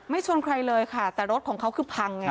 ชนใครเลยค่ะแต่รถของเขาคือพังไง